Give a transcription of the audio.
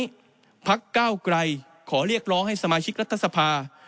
พักเก้าไกรขอเรียกร้องให้สมาชิกรัฐสภา